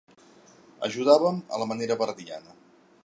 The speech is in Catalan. Ajudàvem a la manera verdiana.